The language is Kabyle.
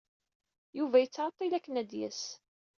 Yuba yettɛeḍḍil akken ad d-yas.